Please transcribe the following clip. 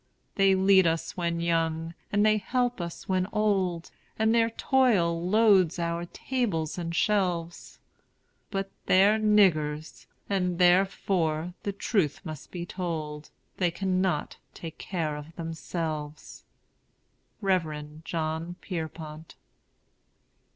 They lead us when young, and they help us when old, And their toil loads our tables and shelves; But they're "niggers"; and therefore (the truth must be told) They cannot take care of themselves. REV. JOHN PIERPONT.